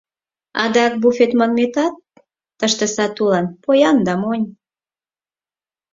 Адак буфет манметат тыште сатулан поян да монь.